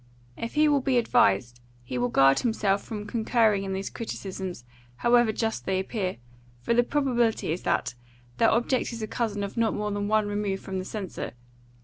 If he will be advised, he will guard himself from concurring in these criticisms, however just they appear, for the probability is that their object is a cousin of not more than one remove from the censor.